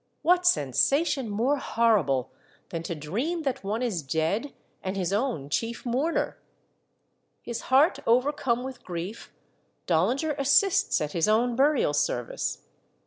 What sensation more horrible than to dream that one is dead and his own chief mourner? His heart overcome with grief, Dollinger assists at his The Vision of the Judge of Colmar, 21 own burial service.